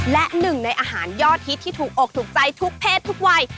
และหนึ่งในอาหารยอดฮิตที่ถูกอกถูกใจทุกเพศทุกวัย